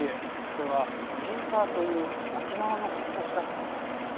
これはジーファーという沖縄のかんざしだったんです。